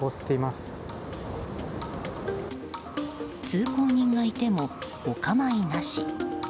通行人がいてもお構いなし。